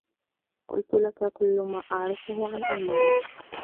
قلت لك كل ما أعرفه عن ألمانيا.